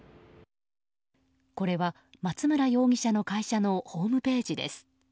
これは、松村容疑者の会社のホームページです。